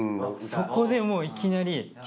そこでいきなり。